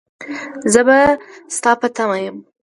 زه به ستا په تمه يم.